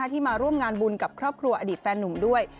ที่มาร่วมงานบุญกับครอบครัวอดีตแฟนนุ่มด้วย